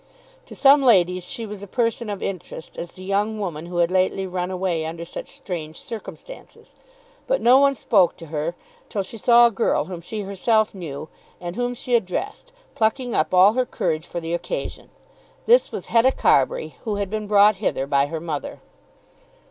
To some ladies she was a person of interest as the young woman who had lately run away under such strange circumstances; but no one spoke to her till she saw a girl whom she herself knew, and whom she addressed, plucking up all her courage for the occasion. This was Hetta Carbury who had been brought hither by her mother.